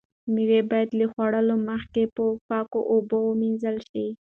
مېوې باید له خوړلو مخکې په پاکو اوبو ومینځل شي.